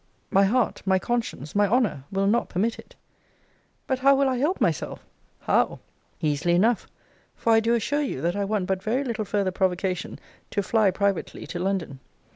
My heart, my conscience, my honour, will not permit it. But how will I help myself? How! easily enough. For I do assure you that I want but very little farther provocation to fly privately to London.